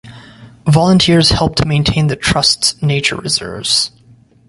Volunteers help to maintain the Trust's nature reserves.